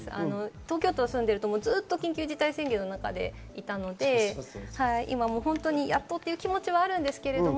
東京都に住んでいると、ずっと緊急事態宣言の中にいたので、今やっとという気持ちがあるんですけれども。